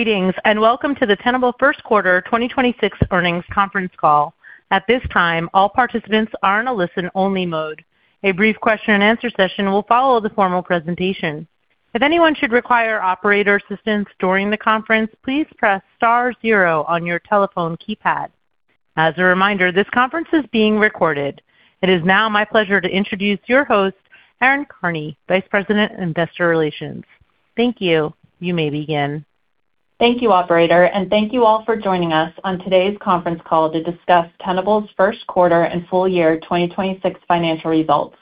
Greetings, and welcome to the Tenable first quarter 2026 earnings conference call. At this time, all participants are in a listen-only mode. A brief question-and-answer session will follow the formal presentation. If anyone should require operator assistance during the conference, please press star zero on your telephone keypad. As a reminder, this conference is being recorded. It is now my pleasure to introduce your host, Erin Karney, Vice President, Investor Relations. Thank you. You may begin. Thank you, operator, and thank you all for joining us on today's conference call to discuss Tenable's first quarter and full year 2026 financial results.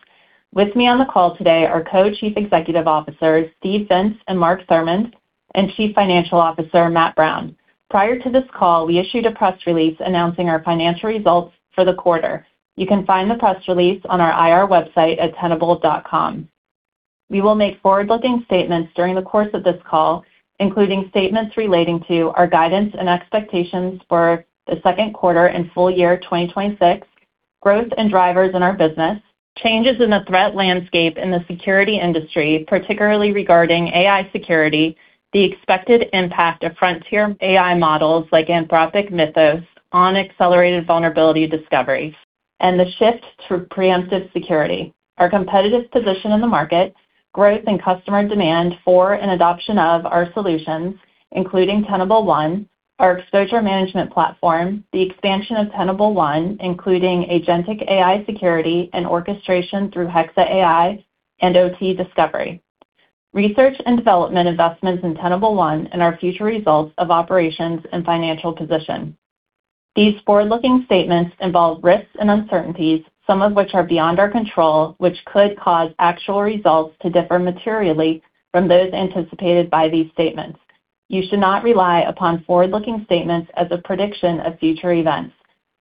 With me on the call today are Co-Chief Executive Officers Steve Vintz and Mark Thurmond, and Chief Financial Officer Matt Brown. Prior to this call, we issued a press release announcing our financial results for the quarter. You can find the press release on our IR website at tenable.com. We will make forward-looking statements during the course of this call, including statements relating to our guidance and expectations for the second quarter and full year 2026, growth and drivers in our business, changes in the threat landscape in the security industry, particularly regarding AI security, the expected impact of frontier AI models like Anthropic Mythic on accelerated vulnerability discovery, and the shift to preemptive security, our competitive position in the market, growth in customer demand for and adoption of our solutions, including Tenable One, our exposure management platform, the expansion of Tenable One, including agentic AI security and orchestration through Hexa AI and OT Discovery, research and development investments in Tenable One, and our future results of operations and financial position. These forward-looking statements involve risks and uncertainties, some of which are beyond our control, which could cause actual results to differ materially from those anticipated by these statements. You should not rely upon forward-looking statements as a prediction of future events.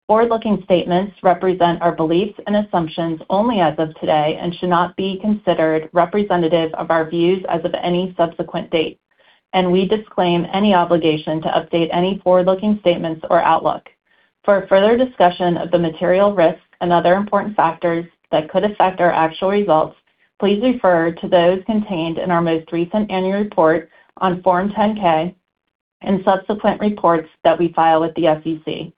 Forward-looking statements represent our beliefs and assumptions only as of today and should not be considered representative of our views as of any subsequent date, and we disclaim any obligation to update any forward-looking statements or outlook. For a further discussion of the material risks and other important factors that could affect our actual results, please refer to those contained in our most recent annual report on Form 10-K and subsequent reports that we file with the SEC.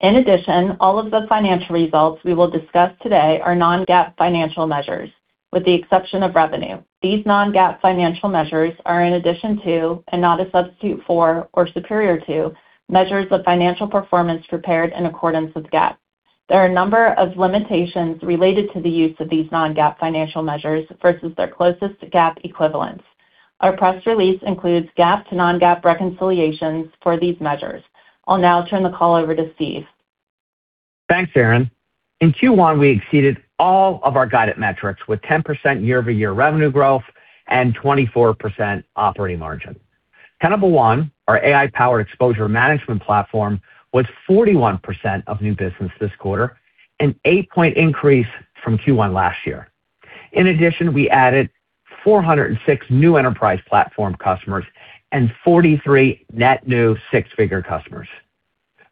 In addition, all of the financial results we will discuss today are Non-GAAP financial measures, with the exception of revenue. These Non-GAAP financial measures are in addition to, and not a substitute for or superior to, measures of financial performance prepared in accordance with GAAP. There are a number of limitations related to the use of these Non-GAAP financial measures versus their closest GAAP equivalents. Our press release includes GAAP to Non-GAAP reconciliations for these measures. I'll now turn the call over to Steve. Thanks, Erin. In Q1, we exceeded all of our guided metrics with 10% year-over-year revenue growth and 24% operating margin. Tenable One, our AI-powered exposure management platform, was 41% of new business this quarter, an 8-point increase from Q1 last year. In addition, we added 406 new enterprise platform customers and 43 net new 6-figure customers.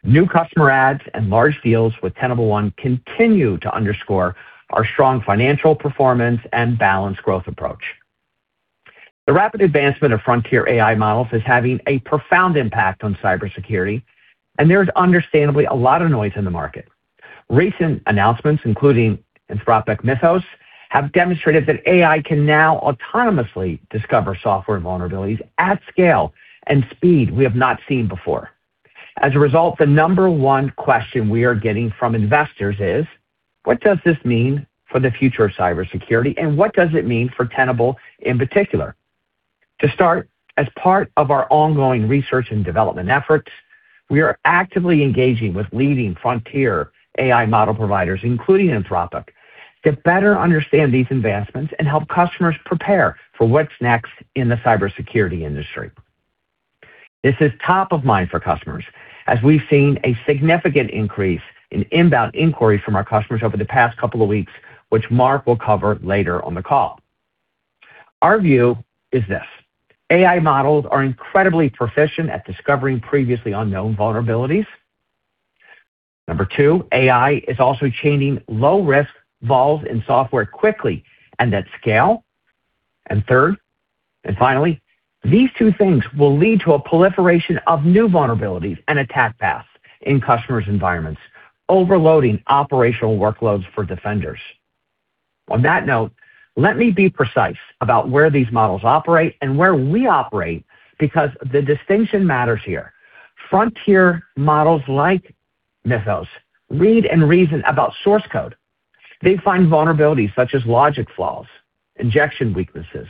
New customer adds and large deals with Tenable One continue to underscore our strong financial performance and balanced growth approach. The rapid advancement of frontier AI models is having a profound impact on cybersecurity, and there is understandably a lot of noise in the market. Recent announcements, including Anthropic Mythic, have demonstrated that AI can now autonomously discover software vulnerabilities at scale and speed we have not seen before. As a result, the number 1 question we are getting from investors is: What does this mean for the future of cybersecurity, and what does it mean for Tenable in particular? To start, as part of our ongoing research and development efforts, we are actively engaging with leading frontier AI model providers, including Anthropic, to better understand these advancements and help customers prepare for what's next in the cybersecurity industry. This is top of mind for customers, as we've seen a significant increase in inbound inquiries from our customers over the past couple of weeks, which Mark will cover later on the call. Our view is this: AI models are incredibly proficient at discovering previously unknown vulnerabilities. Number 2, AI is also changing low-risk vols in software quickly and at scale. Third, and finally, these two things will lead to a proliferation of new vulnerabilities and attack paths in customers' environments, overloading operational workloads for defenders. On that note, let me be precise about where these models operate and where we operate because the distinction matters here. Frontier models like Mythic read and reason about source code. They find vulnerabilities such as logic flaws, injection weaknesses,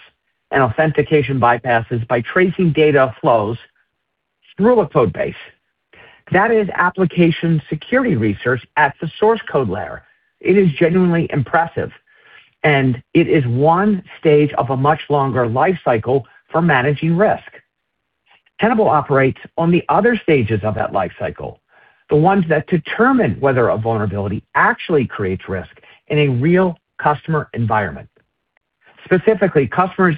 and authentication bypasses by tracing data flows through a code base. That is application security research at the source code layer. It is genuinely impressive, and it is one stage of a much longer life cycle for managing risk. Tenable operates on the other stages of that life cycle, the ones that determine whether a vulnerability actually creates risk in a real customer environment. Specifically, customers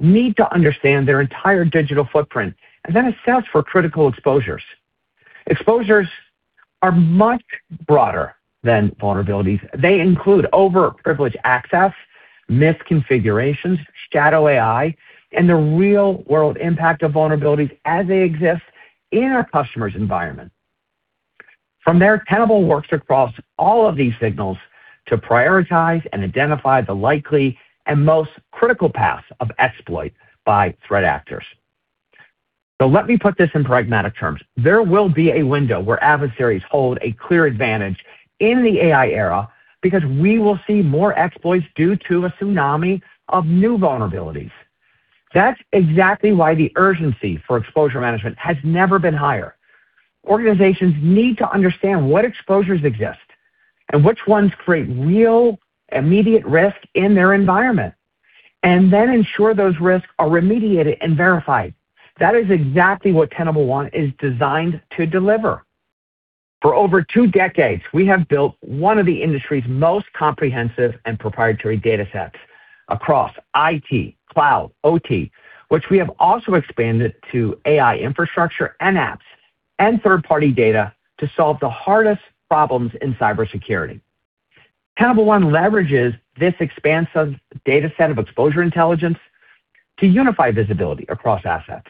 need to understand their entire digital footprint and then assess for critical exposures. Exposures are much broader than vulnerabilities. They include over privileged access, misconfigurations, shadow AI, and the real-world impact of vulnerabilities as they exist in our customer's environment. From there, Tenable works across all of these signals to prioritize and identify the likely and most critical paths of exploit by threat actors. Let me put this in pragmatic terms. There will be a window where adversaries hold a clear advantage in the AI era because we will see more exploits due to a tsunami of new vulnerabilities. That's exactly why the urgency for exposure management has never been higher. Organizations need to understand what exposures exist and which ones create real immediate risk in their environment, and then ensure those risks are remediated and verified. That is exactly what Tenable One is designed to deliver. For over two decades, we have built one of the industry's most comprehensive and proprietary datasets across IT, Cloud, OT, which we have also expanded to AI infrastructure and apps and third-party data to solve the hardest problems in cybersecurity. Tenable One leverages this expansive dataset of exposure intelligence to unify visibility across assets,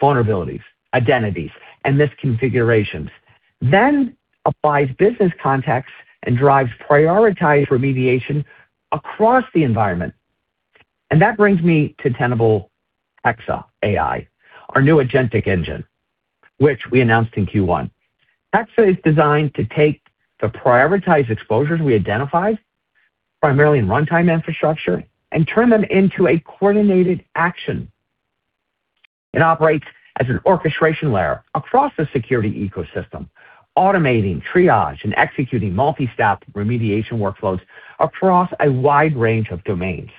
vulnerabilities, identities, and misconfigurations. Then applies business context and drives prioritized remediation across the environment. That brings me to Tenable Hexa AI, our new agentic engine, which we announced in Q1. Hexa is designed to take the prioritized exposures we identified primarily in runtime infrastructure and turn them into a coordinated action. It operates as an orchestration layer across the security ecosystem, automating triage and executing multi-step remediation workflows across a wide range of domains.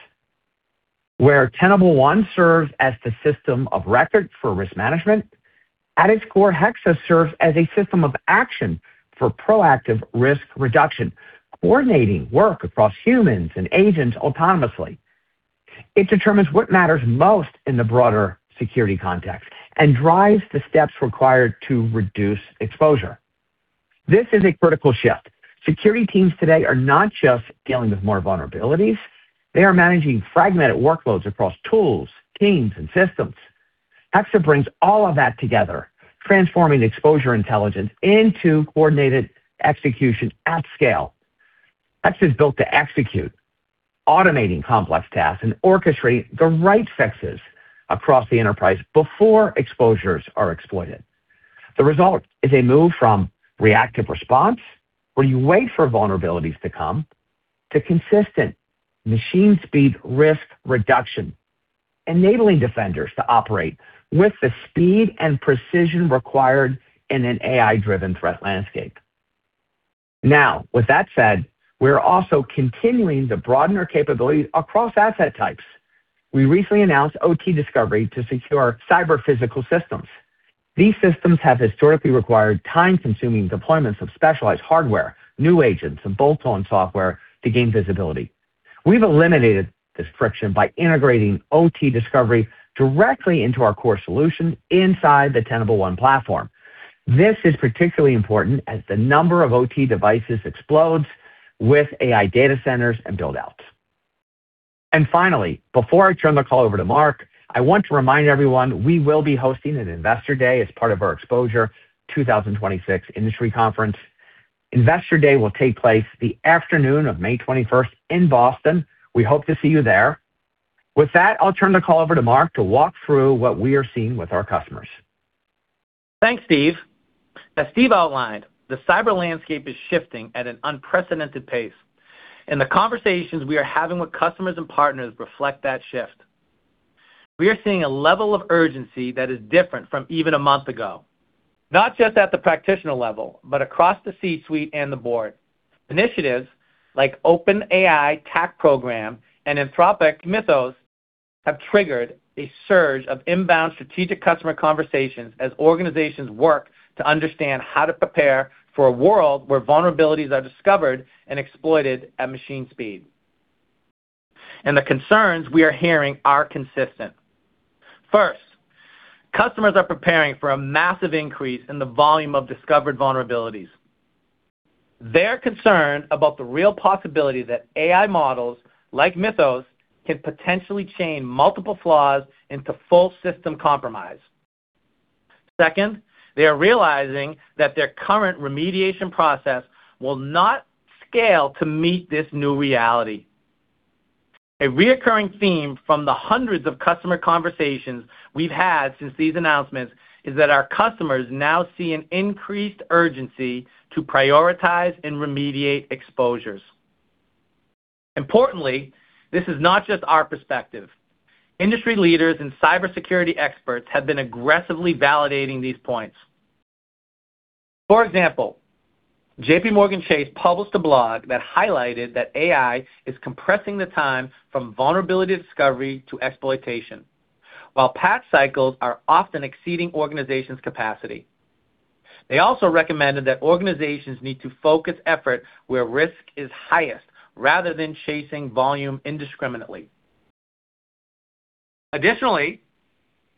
Where Tenable One serves as the system of record for risk management, at its core, Hexa serves as a system of action for proactive risk reduction, coordinating work across humans and agents autonomously. It determines what matters most in the broader security context and drives the steps required to reduce exposure. This is a critical shift. Security teams today are not just dealing with more vulnerabilities, they are managing fragmented workloads across tools, teams, and systems. Hexa brings all of that together, transforming exposure intelligence into coordinated execution at scale. Hexa is built to execute automating complex tasks and orchestrating the right fixes across the enterprise before exposures are exploited. The result is a move from reactive response where you wait for vulnerabilities to come to consistent machine speed risk reduction, enabling defenders to operate with the speed and precision required in an AI-driven threat landscape. Now, with that said, we are also continuing to broaden our capabilities across asset types. We recently announced OT Discovery to secure cyber physical systems. These systems have historically required time-consuming deployments of specialized hardware, new agents, and bolt-on software to gain visibility. We've eliminated this friction by integrating OT Discovery directly into our core solution inside the Tenable One platform. This is particularly important as the number of OT devices explodes with AI data centers and build-outs. Finally, before I turn the call over to Mark, I want to remind everyone we will be hosting an Investor Day as part of our Exposure 2026 industry conference. Investor Day will take place the afternoon of May 21st in Boston. We hope to see you there. With that, I'll turn the call over to Mark to walk through what we are seeing with our customers. Thanks, Steve. As Steve outlined, the cyber landscape is shifting at an unprecedented pace, and the conversations we are having with customers and partners reflect that shift. We are seeing a level of urgency that is different from even a month ago, not just at the practitioner level, but across the C-suite and the board. Initiatives like OpenAI TAC program and Anthropic Mythic have triggered a surge of inbound strategic customer conversations as organizations work to understand how to prepare for a world where vulnerabilities are discovered and exploited at machine speed. The concerns we are hearing are consistent. First, customers are preparing for a massive increase in the volume of discovered vulnerabilities. They're concerned about the real possibility that AI models like Mythic can potentially chain multiple flaws into full system compromise. Second, they are realizing that their current remediation process will not scale to meet this new reality. A reoccurring theme from the hundreds of customer conversations we've had since these announcements is that our customers now see an increased urgency to prioritize and remediate exposures. Importantly, this is not just our perspective. Industry leaders and cybersecurity experts have been aggressively validating these points. For example, JPMorgan Chase published a blog that highlighted that AI is compressing the time from vulnerability discovery to exploitation, while patch cycles are often exceeding organizations' capacity. They also recommended that organizations need to focus effort where risk is highest rather than chasing volume indiscriminately. Additionally,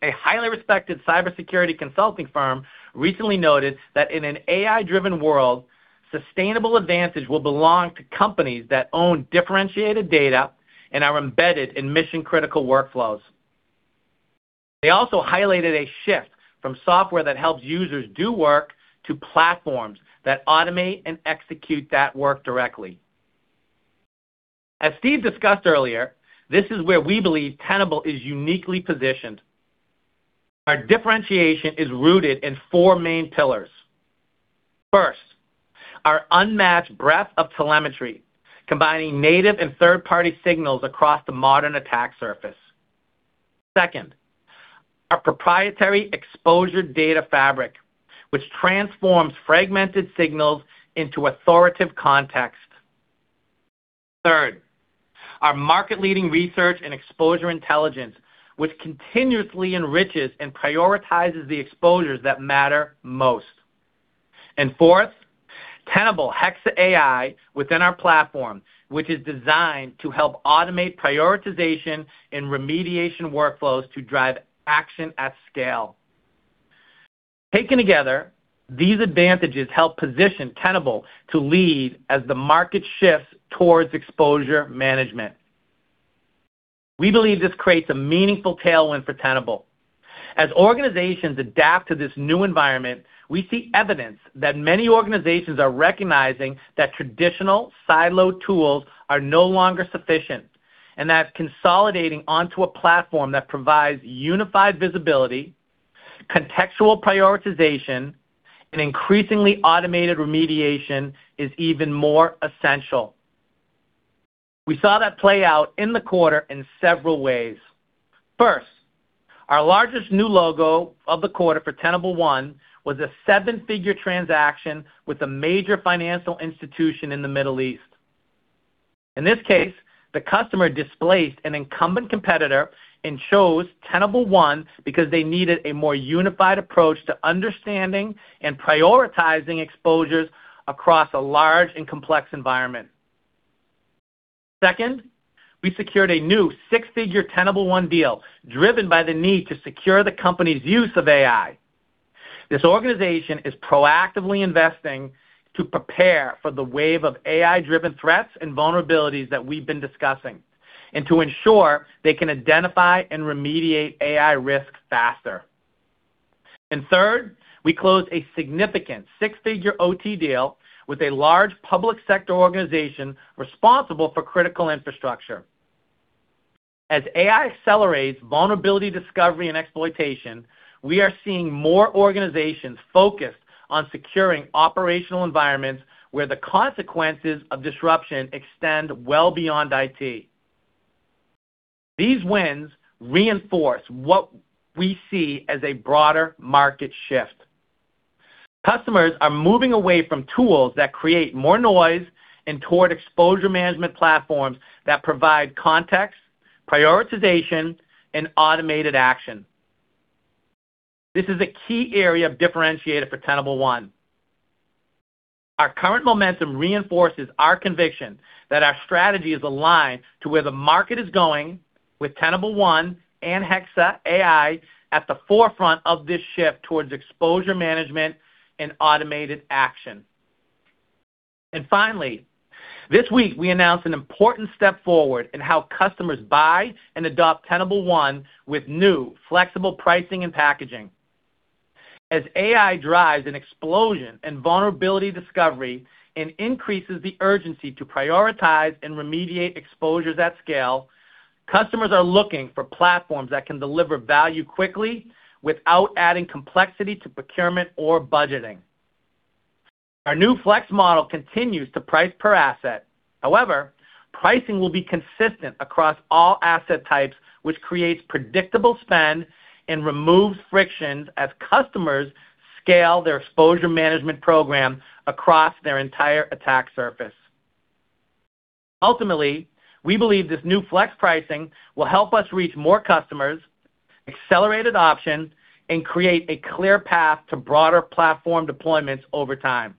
a highly respected cybersecurity consulting firm recently noted that in an AI-driven world, sustainable advantage will belong to companies that own differentiated data and are embedded in mission-critical workflows. They also highlighted a shift from software that helps users do work to platforms that automate and execute that work directly. As Steve discussed earlier, this is where we believe Tenable is uniquely positioned. Our differentiation is rooted in four main pillars. First, our unmatched breadth of telemetry, combining native and third-party signals across the modern attack surface. Second, our proprietary exposure data fabric, which transforms fragmented signals into authoritative context. Third, our market-leading research and exposure intelligence, which continuously enriches and prioritizes the exposures that matter most. Fourth, Tenable Hexa AI within our platform, which is designed to help automate prioritization and remediation workflows to drive action at scale. Taken together, these advantages help position Tenable to lead as the market shifts towards exposure management. We believe this creates a meaningful tailwind for Tenable. As organizations adapt to this new environment, we see evidence that many organizations are recognizing that traditional siloed tools are no longer sufficient, and that consolidating onto a platform that provides unified visibility, contextual prioritization, and increasingly automated remediation is even more essential. We saw that play out in the quarter in several ways. First, our largest new logo of the quarter for Tenable One was a seven-figure transaction with a major financial institution in the Middle East. In this case, the customer displaced an incumbent competitor and chose Tenable One because they needed a more unified approach to understanding and prioritizing exposures across a large and complex environment. Second, we secured a new six-figure Tenable One deal driven by the need to secure the company's use of AI. This organization is proactively investing to prepare for the wave of AI-driven threats and vulnerabilities that we've been discussing and to ensure they can identify and remediate AI risks faster. Third, we closed a significant six-figure OT deal with a large public sector organization responsible for critical infrastructure. As AI accelerates vulnerability discovery and exploitation, we are seeing more organizations focused on securing operational environments where the consequences of disruption extend well beyond IT. These wins reinforce what we see as a broader market shift. Customers are moving away from tools that create more noise and toward exposure management platforms that provide context, prioritization, and automated action. This is a key area of differentiator for Tenable One. Our current momentum reinforces our conviction that our strategy is aligned to where the market is going with Tenable One and Hexa AI at the forefront of this shift towards exposure management and automated action. Finally, this week we announced an important step forward in how customers buy and adopt Tenable One with new flexible pricing and packaging. As AI drives an explosion in vulnerability discovery and increases the urgency to prioritize and remediate exposures at scale, customers are looking for platforms that can deliver value quickly without adding complexity to procurement or budgeting. Our new flex model continues to price per asset. However, pricing will be consistent across all asset types, which creates predictable spend and removes frictions as customers scale their exposure management program across their entire attack surface. Ultimately, we believe this new flex pricing will help us reach more customers, accelerate adoption, and create a clear path to broader platform deployments over time.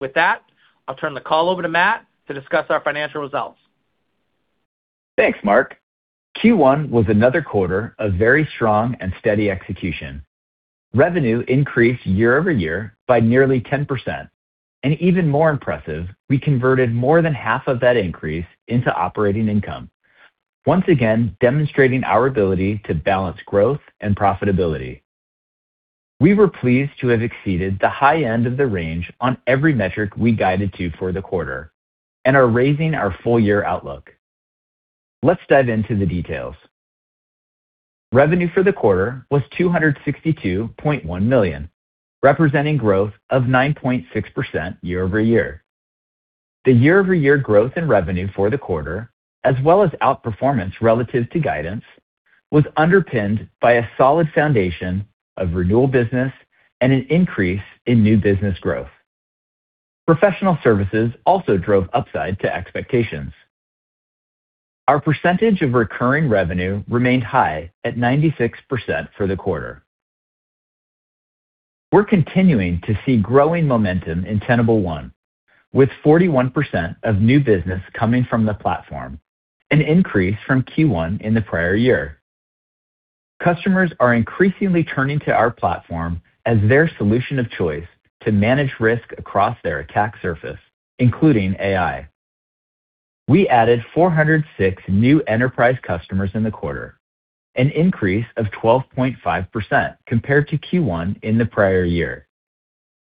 With that, I'll turn the call over to Matt to discuss our financial results. Thanks, Mark. Q1 was another quarter of very strong and steady execution. Revenue increased year-over-year by nearly 10%, and even more impressive, we converted more than half of that increase into operating income, once again demonstrating our ability to balance growth and profitability. We were pleased to have exceeded the high end of the range on every metric we guided to for the quarter and are raising our full year outlook. Let's dive into the details. Revenue for the quarter was $262.1 million, representing growth of 9.6% year-over-year. The year-over-year growth in revenue for the quarter, as well as outperformance relative to guidance, was underpinned by a solid foundation of renewal business and an increase in new business growth. Professional services also drove upside to expectations. Our percentage of recurring revenue remained high at 96% for the quarter. We're continuing to see growing momentum in Tenable One, with 41% of new business coming from the platform, an increase from Q1 in the prior year. Customers are increasingly turning to our platform as their solution of choice to manage risk across their attack surface, including AI. We added 406 new enterprise customers in the quarter, an increase of 12.5% compared to Q1 in the prior year,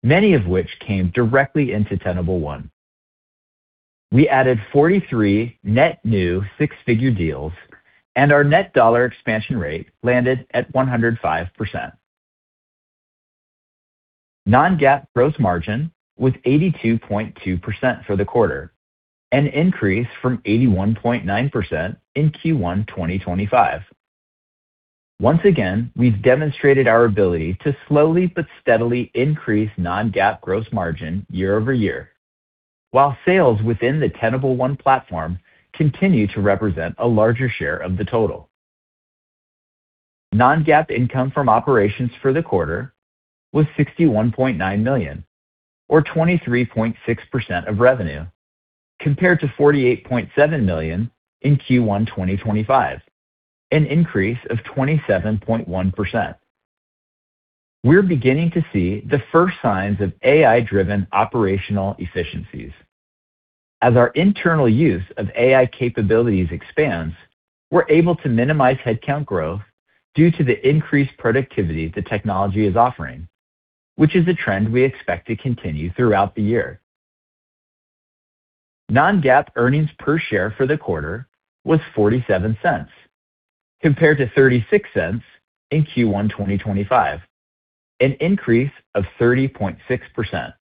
many of which came directly into Tenable One. We added 43 net new six-figure deals, and our net dollar expansion rate landed at 105%. Non-GAAP gross margin was 82.2% for the quarter, an increase from 81.9% in Q1 2025. Once again, we've demonstrated our ability to slowly but steadily increase Non-GAAP gross margin year-over-year, while sales within the Tenable One platform continue to represent a larger share of the total. Non-GAAP income from operations for the quarter was $61.9 million, or 23.6% of revenue, compared to $48.7 million in Q1 2025, an increase of 27.1%. We're beginning to see the first signs of AI-driven operational efficiencies. As our internal use of AI capabilities expands, we're able to minimize headcount growth due to the increased productivity the technology is offering, which is a trend we expect to continue throughout the year. Non-GAAP earnings per share for the quarter was $0.47 compared to $0.36 in Q1 2025, an increase of 30.6%.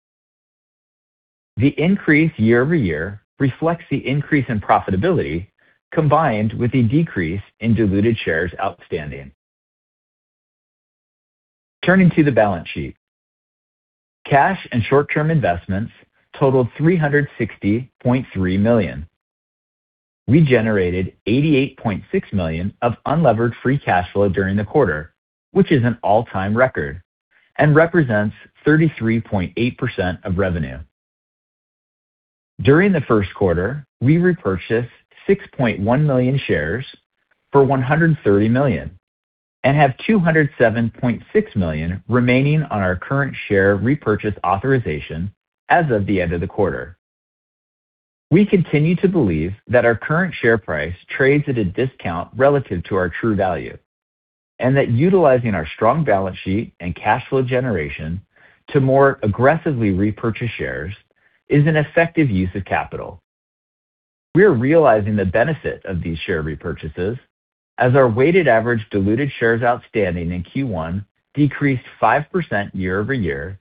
The increase year-over-year reflects the increase in profitability combined with a decrease in diluted shares outstanding. Turning to the balance sheet. Cash and short-term investments totaled $360.3 million. We generated $88.6 million of unlevered free cash flow during the quarter, which is an all-time record and represents 33.8% of revenue. During the first quarter, we repurchased 6.1 million shares for $130 million and have $207.6 million remaining on our current share repurchase authorization as of the end of the quarter. We continue to believe that our current share price trades at a discount relative to our true value, and that utilizing our strong balance sheet and cash flow generation to more aggressively repurchase shares is an effective use of capital. We are realizing the benefit of these share repurchases as our weighted average diluted shares outstanding in Q1 decreased 5% year-over-year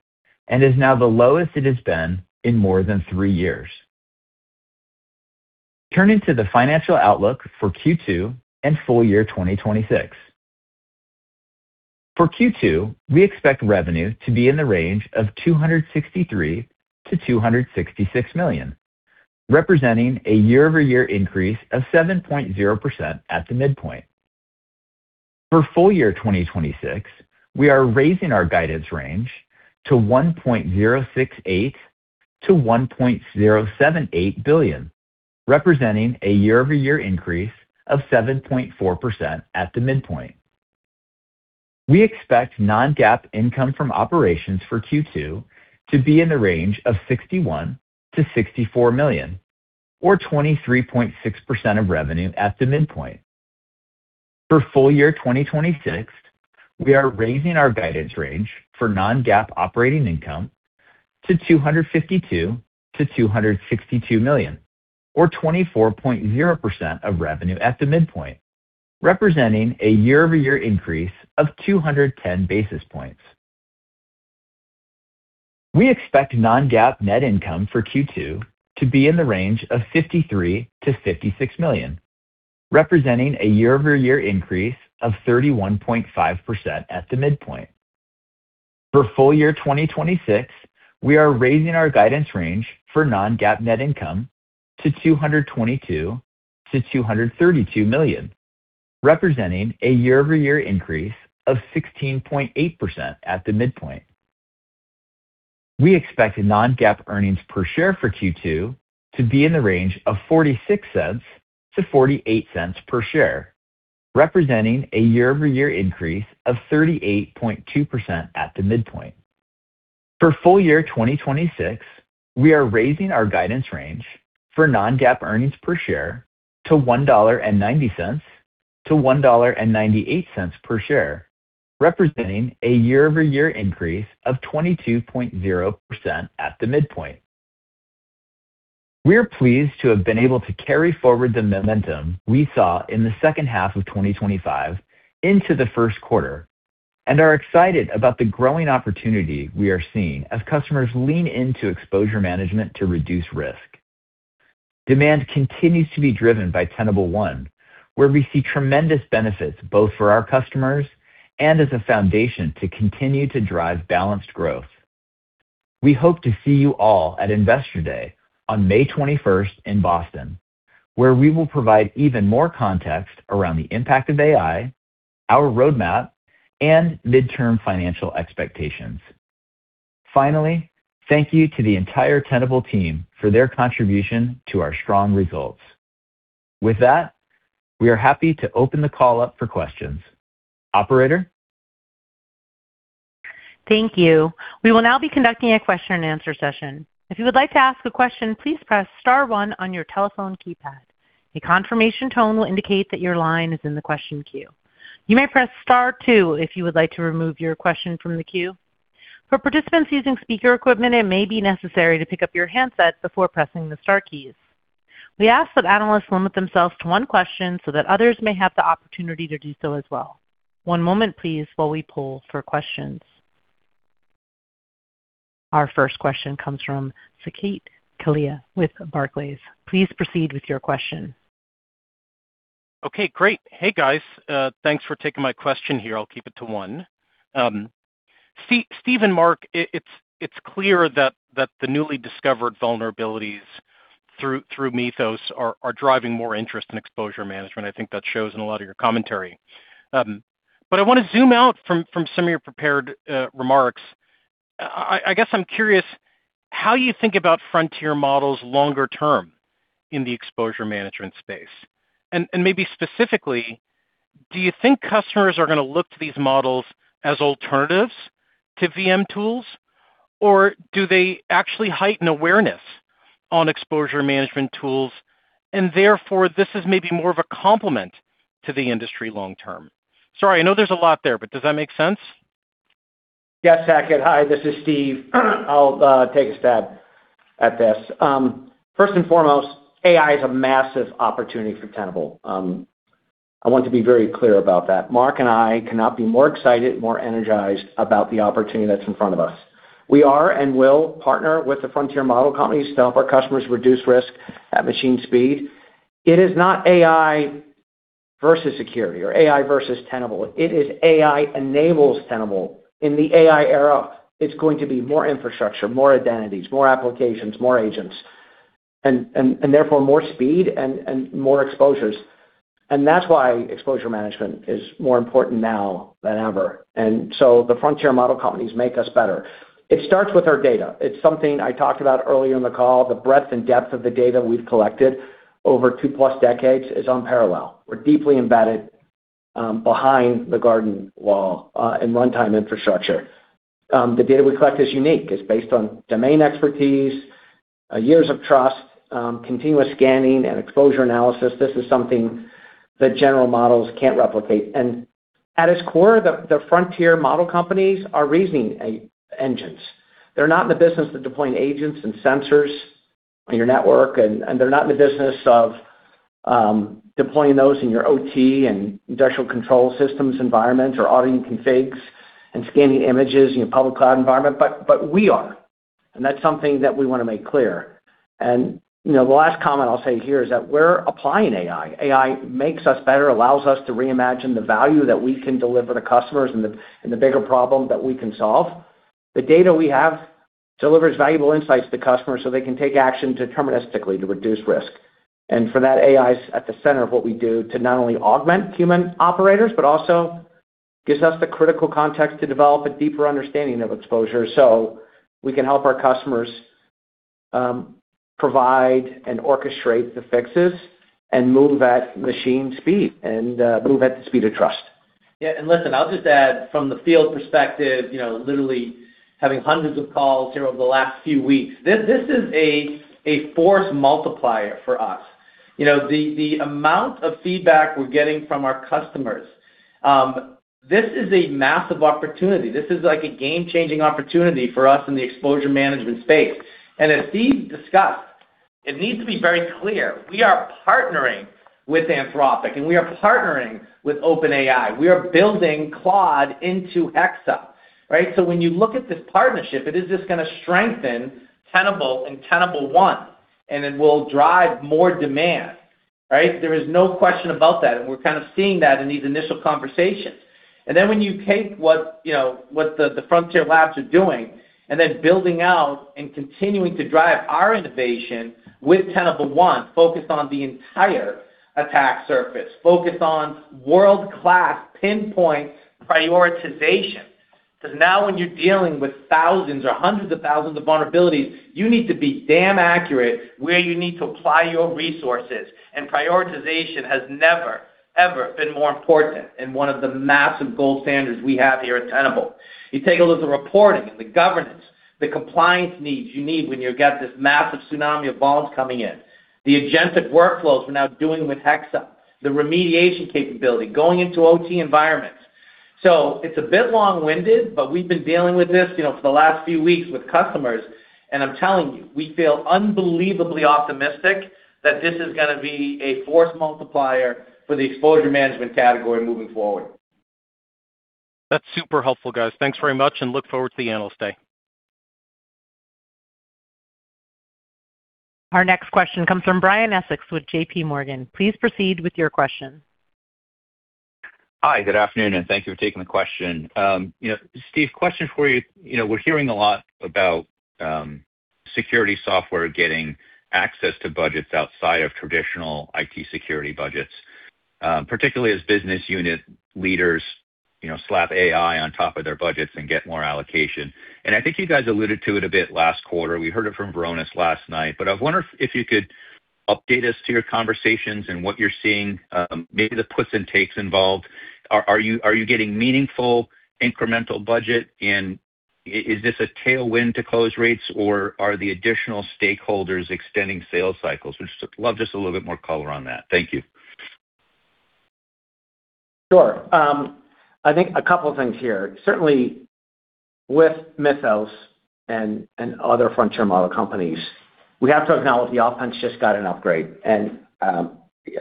and is now the lowest it has been in more than 3 years. Turning to the financial outlook for Q2 and full year 2026. For Q2, we expect revenue to be in the range of $263 million-$266 million, representing a year-over-year increase of 7.0% at the midpoint. For full year 2026, we are raising our guidance range to $1.068 billion-$1.078 billion, representing a year-over-year increase of 7.4% at the midpoint. We expect Non-GAAP income from operations for Q2 to be in the range of $61 million-$64 million, or 23.6% of revenue at the midpoint. For full year 2026, we are raising our guidance range for Non-GAAP operating income to $252 million-$262 million, or 24.0% of revenue at the midpoint, representing a year-over-year increase of 210 basis points. We expect Non-GAAP net income for Q2 to be in the range of $53 million-$56 million, representing a year-over-year increase of 31.5% at the midpoint. For full year 2026, we are raising our guidance range for Non-GAAP net income to $222 million-$232 million, representing a year-over-year increase of 16.8% at the midpoint. We expect Non-GAAP earnings per share for Q2 to be in the range of $0.46-$0.48 per share, representing a year-over-year increase of 38.2% at the midpoint. For full year 2026, we are raising our guidance range for Non-GAAP earnings per share to $1.90-$1.98 per share, representing a year-over-year increase of 22.0% at the midpoint. We are pleased to have been able to carry forward the momentum we saw in the second half of 2025 into the first quarter and are excited about the growing opportunity we are seeing as customers lean into exposure management to reduce risk. Demand continues to be driven by Tenable One, where we see tremendous benefits both for our customers and as a foundation to continue to drive balanced growth. We hope to see you all at Investor Day on May 21st in Boston, where we will provide even more context around the impact of AI, our roadmap, and midterm financial expectations. Finally, thank you to the entire Tenable team for their contribution to our strong results. With that, we are happy to open the call up for questions. Operator? Thank you. We will now be conducting a question and answer session. We ask that analysts limit themselves to one question so that others may have the opportunity to do so as well. One moment please while we poll for questions. Our first question comes from Saket Kalia with Barclays. Please proceed with your question. Okay, great. Hey, guys. Thanks for taking my question here. I'll keep it to one. Steve and Mark, it's clear that the newly discovered vulnerabilities through Mythic are driving more interest in exposure management. I think that shows in a lot of your commentary. I wanna zoom out from some of your prepared remarks. I guess I'm curious how you think about frontier models longer term in the exposure management space. Maybe specifically, do you think customers are gonna look to these models as alternatives to VM tools, or do they actually heighten awareness on exposure management tools, and therefore this is maybe more of a complement to the industry long term? Sorry, I know there's a lot there, but does that make sense? Yes, Saket. Hi, this is Steve. I'll take a stab at this. First and foremost, AI is a massive opportunity for Tenable. I want to be very clear about that. Mark and I cannot be more excited, more energized about the opportunity that's in front of us. We are and will partner with the frontier model companies to help our customers reduce risk at machine speed. It is not AI versus security or AI versus Tenable. It is AI enables Tenable. In the AI era, it's going to be more infrastructure, more identities, more applications, more agents, and therefore more speed and more exposures. That's why exposure management is more important now than ever. The frontier model companies make us better. It starts with our data. It's something I talked about earlier in the call. The breadth and depth of the data we've collected over two-plus decades is unparalleled. We're deeply embedded, behind the garden wall, in runtime infrastructure. The data we collect is unique. It's based on domain expertise, years of trust, continuous scanning and exposure analysis. This is something the general models can't replicate. At its core, the frontier model companies are reasoning engines. They're not in the business of deploying agents and sensors on your network, and they're not in the business of deploying those in your OT and industrial control systems environments or auditing configs and scanning images in your public cloud environment. We are, and that's something that we wanna make clear. You know, the last comment I'll say here is that we're applying AI. AI makes us better, allows us to reimagine the value that we can deliver to customers and the bigger problem that we can solve. The data we have delivers valuable insights to customers they can take action deterministically to reduce risk. For that, AI is at the center of what we do to not only augment human operators, but also gives us the critical context to develop a deeper understanding of exposure. We can help our customers provide and orchestrate the fixes and move at machine speed and move at the speed of trust. Yeah. Listen, I'll just add from the field perspective, you know, literally having hundreds of calls here over the last few weeks. This is a force multiplier for us. You know, the amount of feedback we're getting from our customers, this is a massive opportunity. This is like a game-changing opportunity for us in the exposure management space. As Steve discussed, it needs to be very clear, we are partnering with Anthropic, and we are partnering with OpenAI. We are building Claude into Hexa, right? When you look at this partnership, it is just gonna strengthen Tenable and Tenable One, and it will drive more demand, right? There is no question about that, and we're kind of seeing that in these initial conversations. When you take what, you know, what the frontier labs are doing, building out and continuing to drive our innovation with Tenable One, focused on the entire attack surface, focused on world-class pinpoint prioritization. 'Cause now when you're dealing with thousands or hundreds of thousands of vulnerabilities, you need to be damn accurate where you need to apply your resources. Prioritization has never, ever been more important, and one of the massive gold standards we have here at Tenable. You take a look at the reporting and the governance, the compliance needs you need when you've got this massive tsunami of bots coming in, the agentic workflows we're now doing with Hexa, the remediation capability, going into OT environments. It's a bit long-winded, but we've been dealing with this, you know, for the last few weeks with customers, and I'm telling you, we feel unbelievably optimistic that this is going to be a force multiplier for the exposure management category moving forward. That's super helpful, guys. Thanks very much, and look forward to the Analyst Day. Our next question comes from Brian Essex with JPMorgan. Please proceed with your question. Hi, good afternoon, and thank you for taking the question. You know, Steve, question for you. You know, we're hearing a lot about security software getting access to budgets outside of traditional IT security budgets, particularly as business unit leaders, you know, slap AI on top of their budgets and get more allocation. I think you guys alluded to it a bit last quarter. We heard it from Varonis last night. I wonder if you could update us to your conversations and what you're seeing, maybe the puts and takes involved. Are you getting meaningful incremental budget? Is this a tailwind to close rates, or are the additional stakeholders extending sales cycles? We'd just love just a little bit more color on that. Thank you. Sure. I think a couple things here. Certainly with Mythic and other frontier model companies, we have to acknowledge the Anthropic just got an upgrade.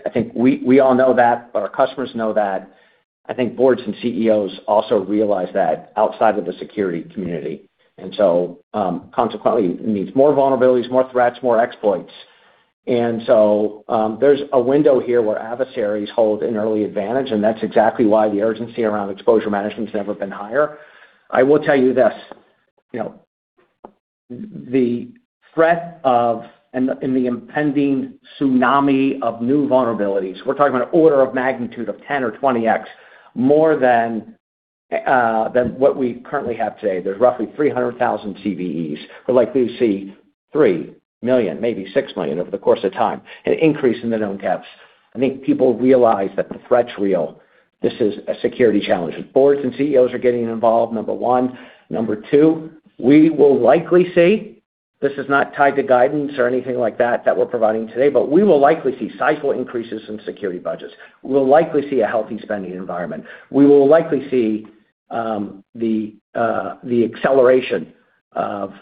I think we all know that, our customers know that. I think boards and CEOs also realize that outside of the security community. Consequently, it means more vulnerabilities, more threats, more exploits. There's a window here where adversaries hold an early advantage, and that's exactly why the urgency around exposure management has never been higher. I will tell you this, you know, the threat of and the impending tsunami of new vulnerabilities, we're talking about an order of magnitude of 10x or 20x more than what we currently have today. There's roughly 300,000 CVEs. We're likely to see 3 million, maybe 6 million over the course of time, an increase in the known CVEs. I think people realize that the threat's real. This is a security challenge, and boards and CEOs are getting involved, number one. Number two, we will likely see. This is not tied to guidance or anything like that that we're providing today, but we will likely see sizable increases in security budgets. We'll likely see a healthy spending environment. We will likely see the acceleration of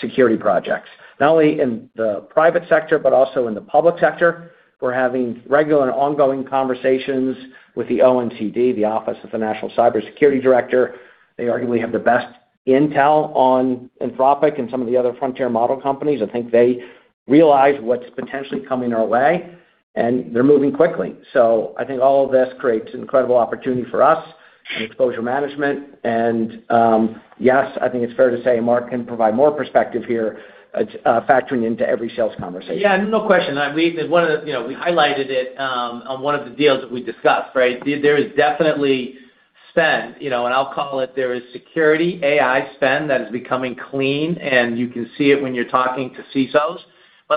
security projects, not only in the private sector, but also in the public sector. We're having regular and ongoing conversations with the ONCD, the Office of the National Cyber Director. They arguably have the best intel on Anthropic and some of the other frontier model companies. I think they realize what's potentially coming our way, and they're moving quickly. I think all of this creates incredible opportunity for us in exposure management. Yes, I think it's fair to say Mark can provide more perspective here, factoring into every sales conversation. Yeah, no question. One of, you know, we highlighted it on one of the deals that we discussed, right? There is definitely spend, you know, and I'll call it there is security AI spend that is becoming clean, and you can see it when you're talking to CISOs.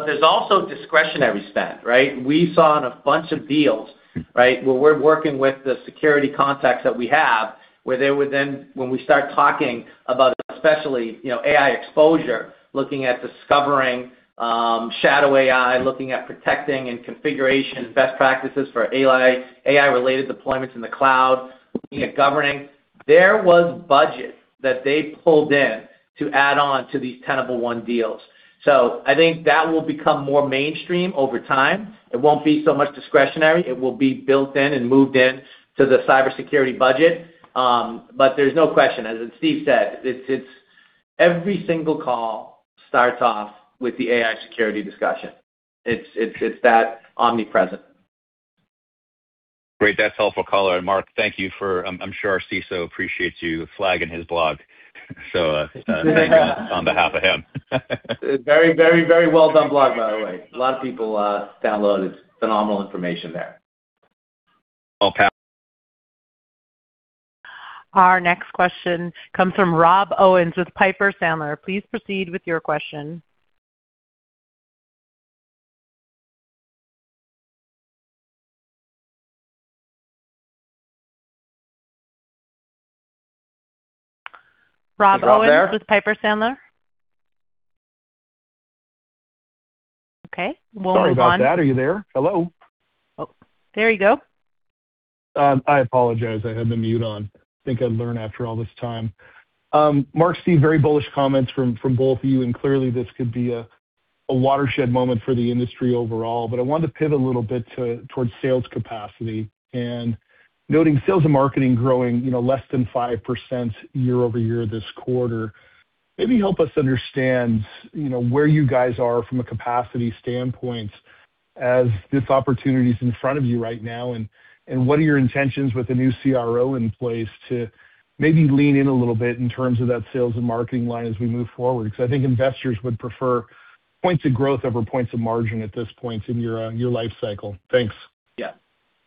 There's also discretionary spend, right? We saw in a bunch of deals, right, where we're working with the security contacts that we have, where they would when we start talking about, especially, you know, AI exposure, looking at discovering shadow AI, looking at protecting and configuration best practices for AI-related deployments in the cloud, looking at governing. There was budget that they pulled in to add on to these Tenable One deals. I think that will become more mainstream over time. It won't be so much discretionary. It will be built in and moved in to the cybersecurity budget. There's no question, as Steve said, it's every single call starts off with the AI security discussion. It's that omnipresent. Great. That's helpful color. Mark, I'm sure our CISO appreciates you flagging his blog. Thanks on behalf of him. Very, very, very well done blog, by the way. A lot of people download it. Phenomenal information there. Well- Our next question comes from Rob Owens with Piper Sandler. Please proceed with your question. Rob Owens with Piper Sandler. Okay. We will move on. Sorry about that. Are you there? Hello. Oh, there you go. I apologize. I had the mute on. You think I'd learn after all this time. Mark, Steve, very bullish comments from both of you, and clearly this could be a watershed moment for the industry overall. I wanted to pivot a little bit towards sales capacity and noting sales and marketing growing, you know, less than 5% year-over-year this quarter. Maybe help us understand, you know, where you guys are from a capacity standpoint as this opportunity is in front of you right now, and what are your intentions with the new CRO in place to maybe lean in a little bit in terms of that sales and marketing line as we move forward? Because I think investors would prefer points of growth over points of margin at this point in your life cycle. Thanks.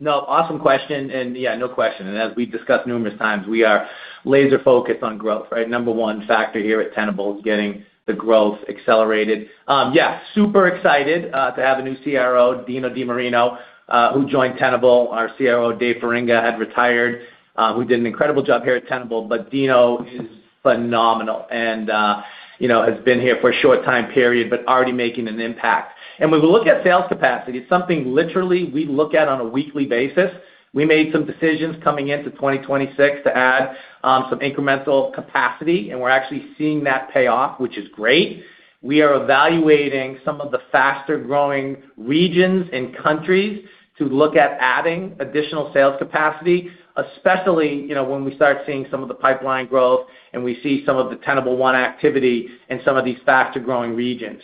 Yeah. No, awesome question. Yeah, no question. As we've discussed numerous times, we are laser-focused on growth, right? Number one factor here at Tenable is getting the growth accelerated. Yeah, super excited to have a new CRO, Dino DiMarino, who joined Tenable. Our CRO, Dave Feringa, had retired, who did an incredible job here at Tenable. Dino is phenomenal and, you know, has been here for a short time period, but already making an impact. When we look at sales capacity, it's something literally we look at on a weekly basis. We made some decisions coming into 2026 to add some incremental capacity, and we're actually seeing that pay off, which is great. We are evaluating some of the faster-growing regions and countries to look at adding additional sales capacity, especially, you know, when we start seeing some of the pipeline growth and we see some of the Tenable One activity in some of these faster-growing regions.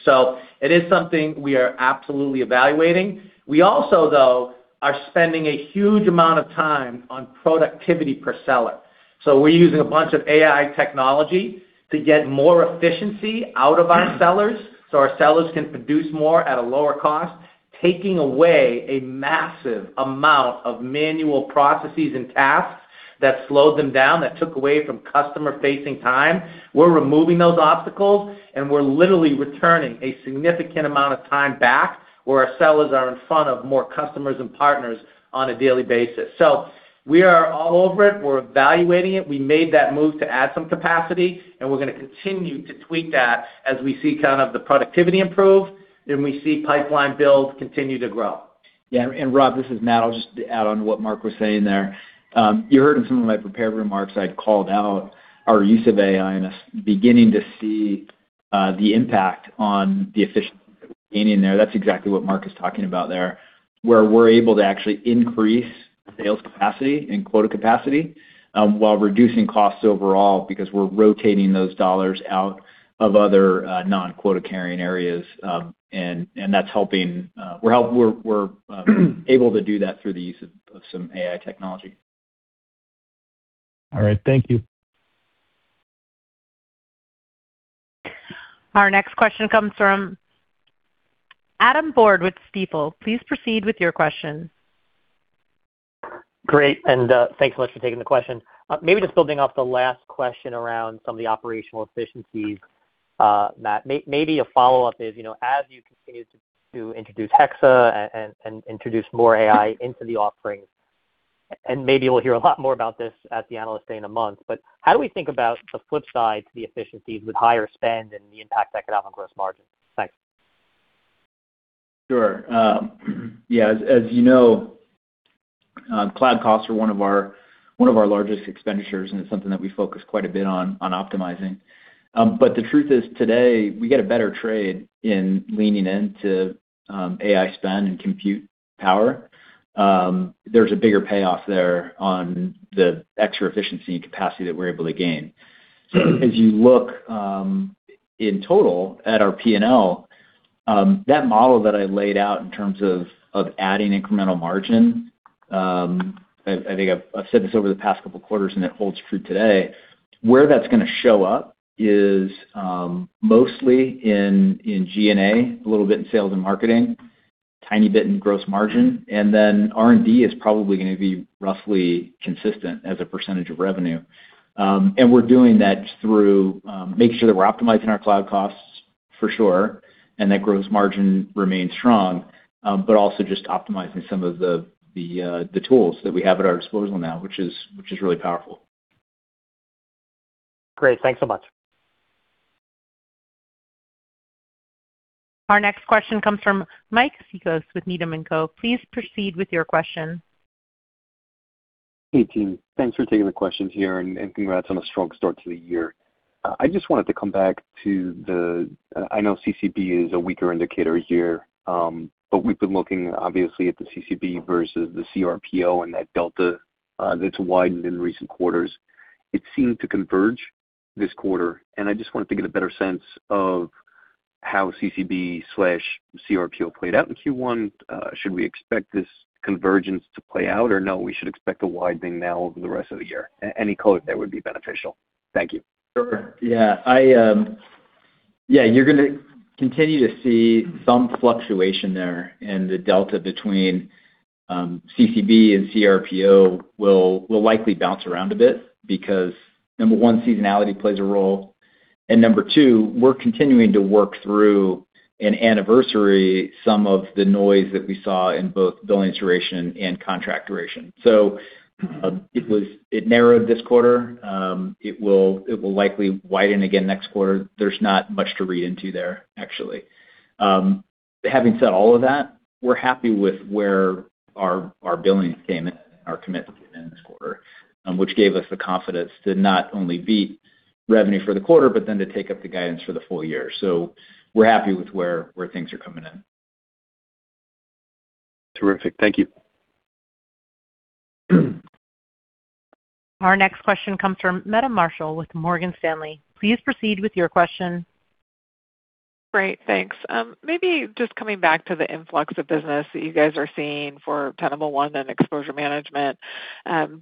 It is something we are absolutely evaluating. We also, though, are spending a huge amount of time on productivity per seller. We're using a bunch of AI technology to get more efficiency out of our sellers, so our sellers can produce more at a lower cost, taking away a massive amount of manual processes and tasks that slowed them down, that took away from customer-facing time. We're removing those obstacles, and we're literally returning a significant amount of time back where our sellers are in front of more customers and partners on a daily basis. We are all over it. We're evaluating it. We made that move to add some capacity, and we're going to continue to tweak that as we see kind of the productivity improve, then we see pipeline builds continue to grow. Yeah, Rob, this is Matt. I'll just add on what Mark was saying there. You heard in some of my prepared remarks, I'd called out our use of AI, and us beginning to see the impact on the efficiency gain in there. That's exactly what Mark is talking about there, where we're able to actually increase sales capacity and quota capacity, while reducing costs overall because we're rotating those dollars out of other non-quota carrying areas. That's helping, we're able to do that through the use of some AI technology. All right, thank you. Our next question comes from Adam Borg with Stifel. Please proceed with your question. Great, thanks so much for taking the question. Maybe just building off the last question around some of the operational efficiencies, Matt. Maybe a follow-up is, you know, as you continue to introduce Hexa and introduce more AI into the offerings, and maybe we'll hear a lot more about this at the Analyst Day in a month. How do we think about the flip side to the efficiencies with higher spend and the impact that could have on gross margin? Thanks. Sure. Yeah, as you know, cloud costs are one of our largest expenditures, and it's something that we focus quite a bit on optimizing. The truth is today, we get a better trade in leaning into AI spend and compute power. There's a bigger payoff there on the extra efficiency and capacity that we're able to gain. As you look in total at our P&L, that model that I laid out in terms of adding incremental margin, I think I've said this over the past couple quarters, and it holds true today. Where that's gonna show up is mostly in G&A, a little bit in sales and marketing, tiny bit in gross margin, and then R&D is probably gonna be roughly consistent as a percentage of revenue. We're doing that through making sure that we're optimizing our cloud costs for sure, and that gross margin remains strong, but also just optimizing some of the tools that we have at our disposal now, which is really powerful. Great. Thanks so much. Our next question comes from Mike Cikos with Needham & Company. Please proceed with your question. Hey, team. Thanks for taking the questions here and congrats on a strong start to the year. I just wanted to come back to I know CCB is a weaker indicator here, but we've been looking obviously at the CCB versus the CRPO and that delta, that's widened in recent quarters. It seemed to converge this quarter, and I just wanted to get a better sense of how CCB/CRPO played out in Q1. Should we expect this convergence to play out or no, we should expect a widening now over the rest of the year? Any color there would be beneficial. Thank you. Sure. Yeah. I, yeah, you're gonna continue to see some fluctuation there in the delta between CCB and CRPO will likely bounce around a bit because 1, seasonality plays a role, and 2, we're continuing to work through and anniversary some of the noise that we saw in both billing duration and contract duration. It narrowed this quarter. It will likely widen again next quarter. There's not much to read into there, actually. Having said all of that, we're happy with where our billings came in, our commitments came in this quarter, which gave us the confidence to not only beat revenue for the quarter but then to take up the guidance for the full year. We're happy with where things are coming in. Terrific. Thank you. Our next question comes from Meta Marshall with Morgan Stanley. Please proceed with your question. Great. Thanks. Maybe just coming back to the influx of business that you guys are seeing for Tenable One and Exposure Management,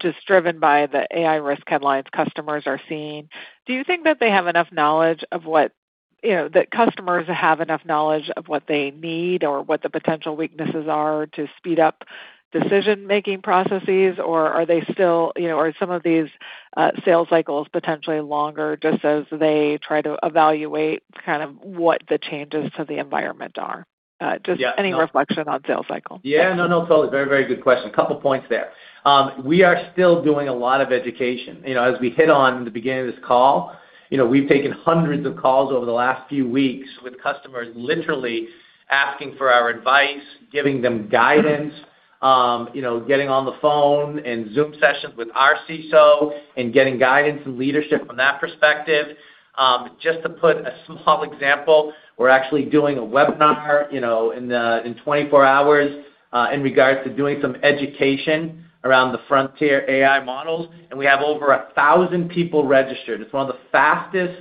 just driven by the AI risk headlines customers are seeing. Do you think that they have enough knowledge of what, you know, that customers have enough knowledge of what they need or what the potential weaknesses are to speed up decision-making processes? Are they still, you know, are some of these sales cycles potentially longer just as they try to evaluate kind of what the changes to the environment are? Just any reflection on sales cycle? Yeah. No, no, totally. Very, very good question. A couple points there. We are still doing a lot of education. You know, as we hit on in the beginning of this call, you know, we've taken hundreds of calls over the last few weeks with customers literally asking for our advice, giving them guidance. You know, getting on the phone and Zoom sessions with our CISO and getting guidance and leadership from that perspective. Just to put a small example, we're actually doing a webinar, you know, in 24 hours, in regards to doing some education around the Frontier AI models. We have over 1,000 people registered. It's one of the fastest,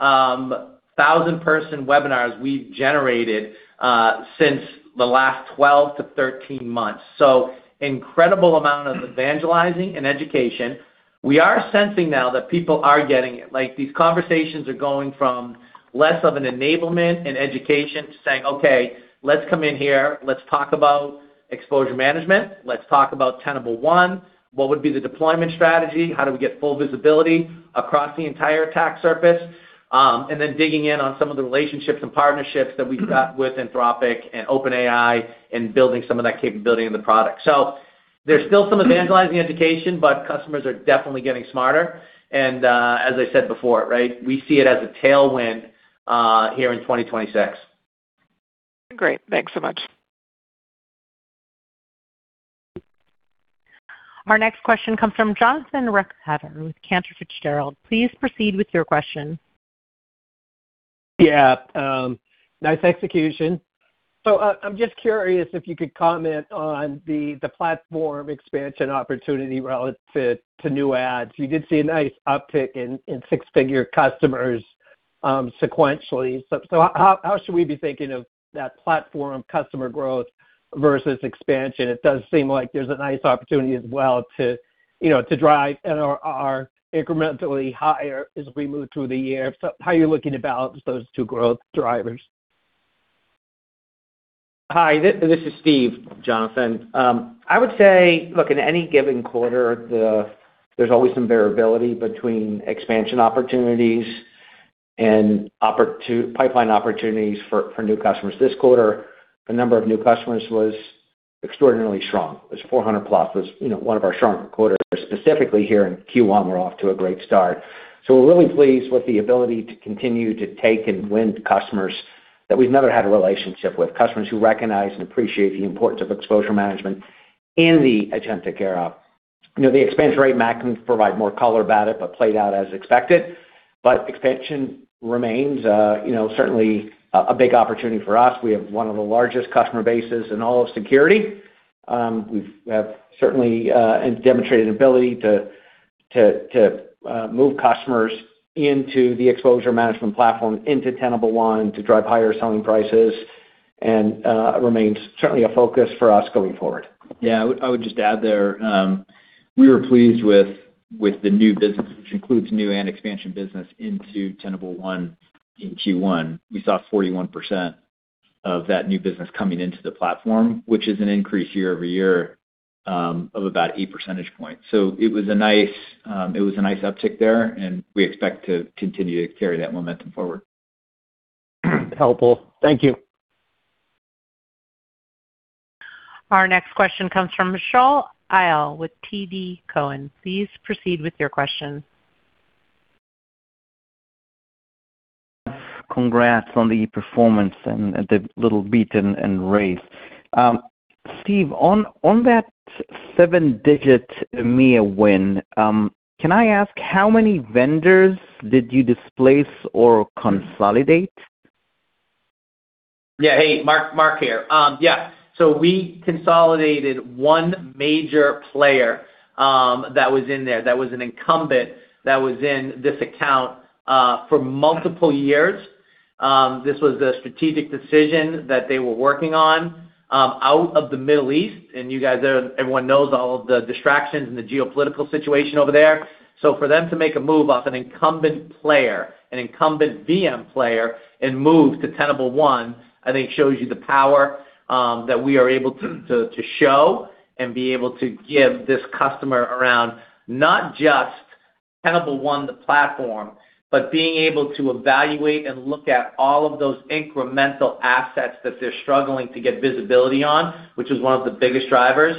1,000-person webinars we've generated since the last 12 months-13 months. Incredible amount of evangelizing and education. We are sensing now that people are getting it. These conversations are going from less of an enablement and education to saying, "Okay, let's come in here. Let's talk about exposure management. Let's talk about Tenable One. What would be the deployment strategy? How do we get full visibility across the entire attack surface?" digging in on some of the relationships and partnerships that we've got with Anthropic and OpenAI and building some of that capability in the product. There's still some evangelizing education, but customers are definitely getting smarter and, as I said before, right? We see it as a tailwind, here in 2026. Great. Thanks so much. Our next question comes from Jonathan Ruykhaver with Cantor Fitzgerald. Please proceed with your question. Yeah. Nice execution. I'm just curious if you could comment on the platform expansion opportunity relative to new ads? You did see a nice uptick in six-figure customers, sequentially. How should we be thinking of that platform customer growth versus expansion? It does seem like there's a nice opportunity as well to, you know, to drive and are incrementally higher as we move through the year. How are you looking to balance those two growth drivers? Hi, this is Steve, Jonathan. I would say, look, in any given quarter, there's always some variability between expansion opportunities and pipeline opportunities for new customers. This quarter, the number of new customers was extraordinarily strong. It was 400 plus. It was, you know, one of our stronger quarters. Specifically here in Q1, we're off to a great start. We're really pleased with the ability to continue to take and win customers that we've never had a relationship with, customers who recognize and appreciate the importance of exposure management in the agentic era. You know, the expansion rate, Matt, can provide more color about it, played out as expected. Expansion remains, you know, certainly a big opportunity for us. We have one of the largest customer bases in all of security. We've certainly demonstrated ability to move customers into the exposure management platform into Tenable One to drive higher selling prices and remains certainly a focus for us going forward. Yeah. I would just add there, we were pleased with the new business, which includes new and expansion business into Tenable One in Q1. We saw 41% of that new business coming into the platform, which is an increase year-over-year of about 8 percentage points. It was a nice uptick there. We expect to continue to carry that momentum forward. Helpful. Thank you. Our next question comes from Shaul Eyal with TD Cowen. Please proceed with your question. Congrats on the performance and the little beat and race. Steve, on that 7-digit EMEA win, can I ask how many vendors did you displace or consolidate? Yeah. Hey, Mark here. Yeah. We consolidated one major player, that was in there, that was an incumbent that was in this account for multiple years. This was a strategic decision that they were working on out of the Middle East, and Everyone knows all of the distractions and the geopolitical situation over there. For them to make a move off an incumbent player, an incumbent VM player, and move to Tenable One, I think shows you the power that we are able to show and be able to give this customer around not just Tenable One the platform, but being able to evaluate and look at all of those incremental assets that they're struggling to get visibility on, which is one of the biggest drivers.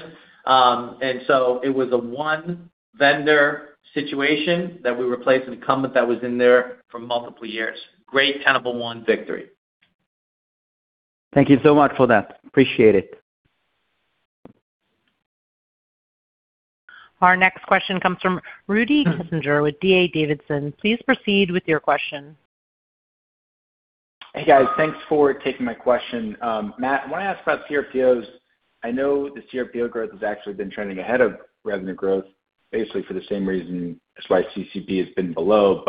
It was a one-vendor situation that we replaced an incumbent that was in there for multiple years. Great Tenable One victory. Thank you so much for that. Appreciate it. Our next question comes from Rudy Kessinger with D.A. Davidson. Please proceed with your question. Hey, guys. Thanks for taking my question. Matt, I want to ask about CRPOs. I know the CRPO growth has actually been trending ahead of revenue growth, basically for the same reason as why CCP has been below.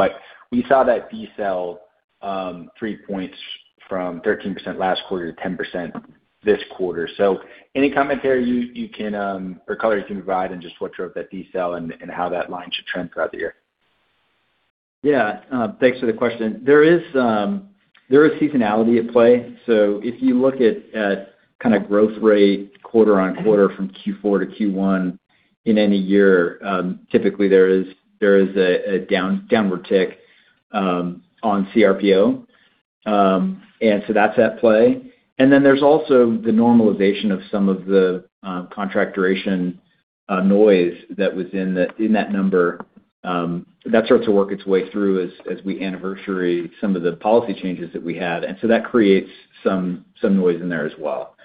We saw that decel, 3 points from 13% last quarter to 10% this quarter. Any commentary you can, or color you can provide and just what drove that decel and how that line should trend throughout the year? Yeah. Thanks for the question. There is seasonality at play. If you look at kind of growth rate quarter on quarter from Q4-Q1 in any year, typically there is a downward tick on CRPO. That's at play. Then there's also the normalization of some of the contract duration A noise that was in that number, that starts to work its way through as we anniversary some of the policy changes that we had. That creates some noise in there as well.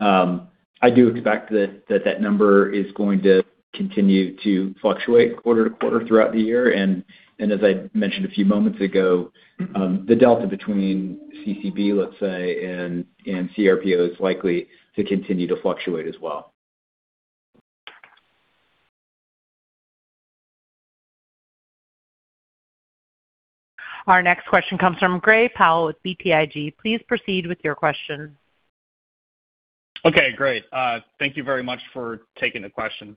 I do expect that number is going to continue to fluctuate quarter-to-quarter throughout the year. As I mentioned a few moments ago, the delta between CCB, let's say, and CRPO is likely to continue to fluctuate as well. Our next question comes from Gray Powell with BTIG. Please proceed with your question. Okay, great. Thank you very much for taking the question.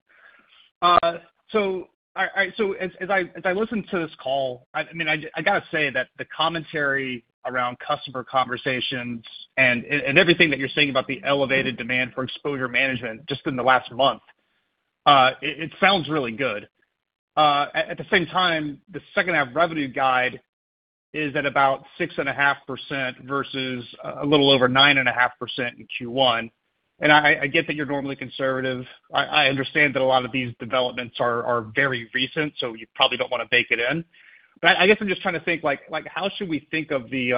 So as I listen to this call, I mean, I gotta say that the commentary around customer conversations and everything that you're saying about the elevated demand for exposure management just in the last month, it sounds really good. At the same time, the second half revenue guide is at about 6.5% versus a little over 9.5% in Q1. I get that you're normally conservative. I understand that a lot of these developments are very recent, so you probably don't wanna bake it in. I guess I'm just trying to think like how should we think of the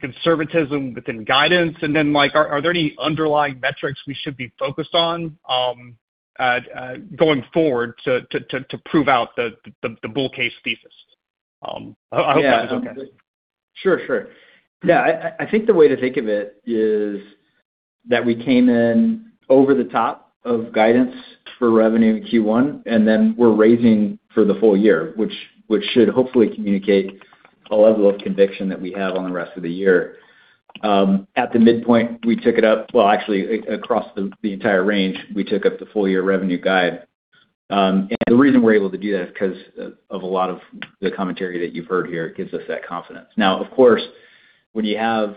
conservatism within guidance, and then like, are there any underlying metrics we should be focused on going forward to prove out the bull case thesis? I hope that was okay. Sure. Yeah, I think the way to think of it is that we came in over the top of guidance for revenue in Q1, and then we're raising for the full year, which should hopefully communicate a level of conviction that we have on the rest of the year. At the midpoint, we took it up. Well, actually, across the entire range, we took up the full year revenue guide. The reason we're able to do that is 'cause of a lot of the commentary that you've heard here gives us that confidence. Now, of course, when you have,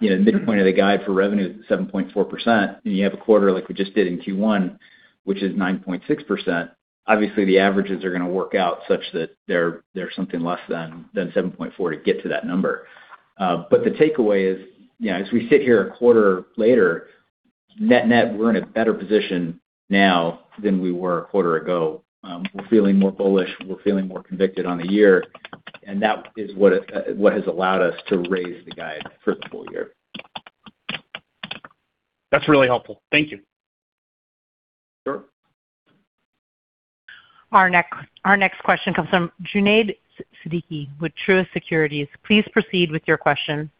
you know midpoint of the guide for revenue at 7.4%, and you have a quarter like we just did in Q1, which is 9.6%, obviously the averages are gonna work out such that they're something less than 7.4 to get to that number. The takeaway is, you know, as we sit here a quarter later, net-net, we're in a better position now than we were a quarter ago. We're feeling more bullish, we're feeling more convicted on the year, that is what has allowed us to raise the guide for the full year. That's really helpful. Thank you. Sure. Our next question comes from Junaid Siddiqui with Truist Securities. Please proceed with your question.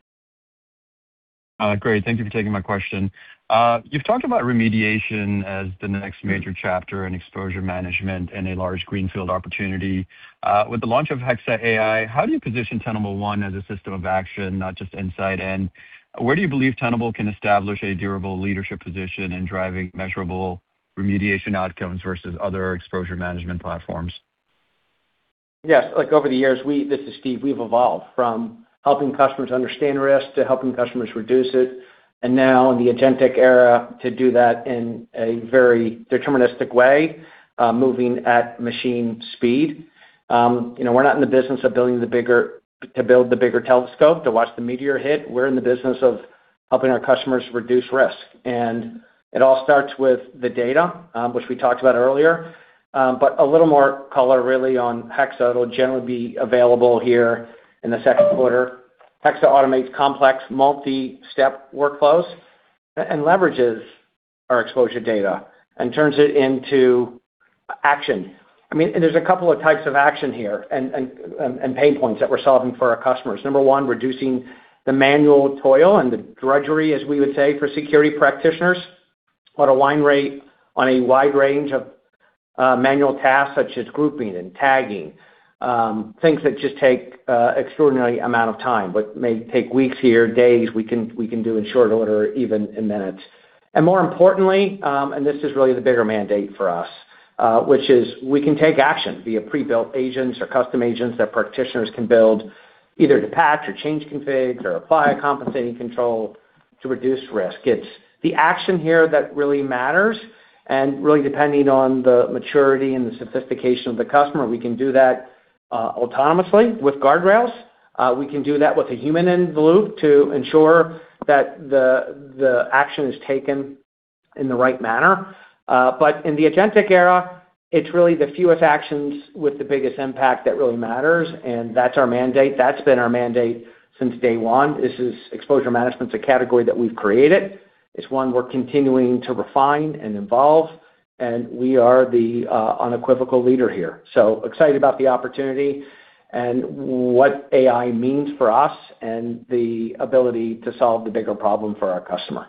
Great, thank you for taking my question. You've talked about remediation as the next major chapter in exposure management and a large greenfield opportunity. With the launch of Hexa AI, how do you position Tenable One as a system of action, not just insight? Where do you believe Tenable can establish a durable leadership position in driving measurable remediation outcomes versus other exposure management platforms? Yes. Like over the years, this is Steve, we've evolved from helping customers understand risk to helping customers reduce it, and now in the agentic era, to do that in a very deterministic way, moving at machine speed. You know, we're not in the business to build the bigger telescope to watch the meteor hit. We're in the business of helping our customers reduce risk. It all starts with the data, which we talked about earlier. A little more color really on Hexa. It'll generally be available here in the second quarter. Hexa automates complex multi-step workflows and leverages our exposure data and turns it into action. I mean, there's a couple of types of action here and pain points that we're solving for our customers. Number one, reducing the manual toil and the drudgery, as we would say, for security practitioners on a wide range of manual tasks such as grouping and tagging, things that just take extraordinary amount of time, but may take weeks here, days, we can do in short order, even in minutes. More importantly, this is really the bigger mandate for us, which is we can take action via pre-built agents or custom agents that practitioners can build either to patch or change configs or apply a compensating control to reduce risk. It's the action here that really matters, really depending on the maturity and the sophistication of the customer, we can do that autonomously with guardrails. We can do that with a human in the loop to ensure that the action is taken in the right manner. In the agentic era, it's really the fewest actions with the biggest impact that really matters, and that's our mandate. That's been our mandate since day one. Exposure management's a category that we've created. It's one we're continuing to refine and evolve, and we are the unequivocal leader here. Excited about the opportunity and what AI means for us and the ability to solve the bigger problem for our customer.